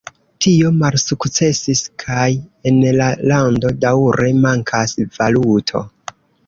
Tio malsukcesis, kaj en la lando daŭre mankas valuto.